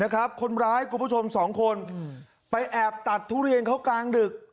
คนร้ายกลุ่มผู้ชมสองคนไปแอบตัดทุเรียนเข้ากลางดึก